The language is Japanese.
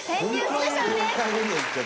スペシャルです。